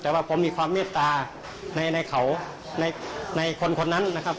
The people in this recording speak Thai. แต่ว่าผมมีความเมตตาในเขาในคนคนนั้นนะครับ